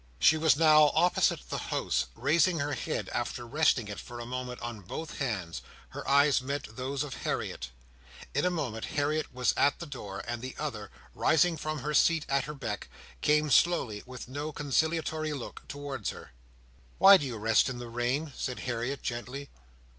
She was now opposite the house; raising her head after resting it for a moment on both hands, her eyes met those of Harriet. In a moment, Harriet was at the door; and the other, rising from her seat at her beck, came slowly, and with no conciliatory look, towards her. "Why do you rest in the rain?" said Harriet, gently.